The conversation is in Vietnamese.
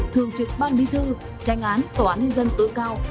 thường trực ban bí thư tranh án tòa án nhân dân tối cao